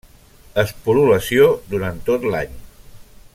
Esporulació durant tot l'any.